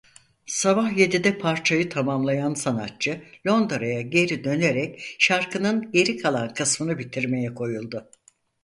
Sabah yedide parçayı tamamlayan sanatçı Londra'ya geri dönerek şarkının geri kalan kısmını bitirmeye koyuldu.